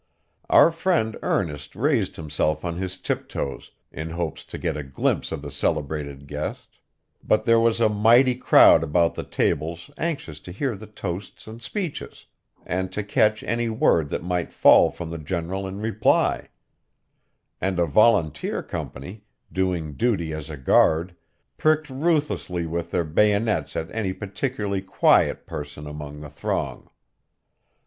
Our friend Ernest raised himself on his tiptoes, in hopes to get a glimpse of the celebrated guest; but there was a mighty crowd about the tables anxious to hear the toasts and speeches, and to catch any word that might fall from the general in reply; and a volunteer company, doing duty as a guard, pricked ruthlessly with their bayonets at any particularly quiet person among the throng.